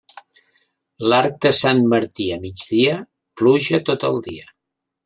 L'arc de Sant Martí a migdia, pluja tot el dia.